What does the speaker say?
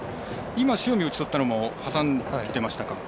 今、塩見打ち取ったのも挟んでましたかね。